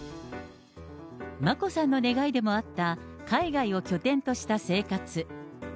眞子さんの願いでもあった海外を拠点とした生活。